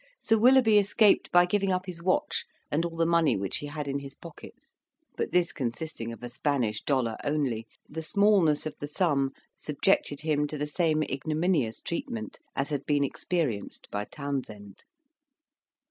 Sir Willoughby escaped by giving up his watch and all the money which he had in his pockets; but this consisting of a Spanish dollar only, the smallness of the sum subjected him to the same ignominious treatment as had been experienced by Townshend.